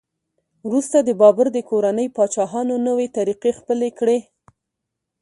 وروسته د بابر د کورنۍ پاچاهانو نوې طریقې خپلې کړې.